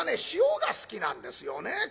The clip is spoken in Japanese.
塩が好きなんですよね。